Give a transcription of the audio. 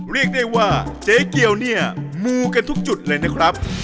เรียกได้ว่าเจ๊เกียวเนี่ยมูกันทุกจุดเลยนะครับ